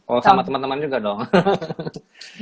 oh sama temen temen juga dong